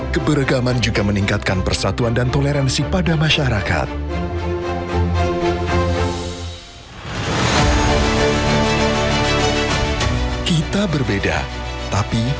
keberagaman juga meningkatkan persatuan dan toleransi pada masyarakat kita berbeda tapi